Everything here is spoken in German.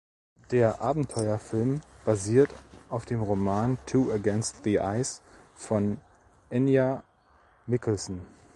Der Abenteuerfilm basiert auf dem Roman "Two Against the Ice" von Ejnar Mikkelsen.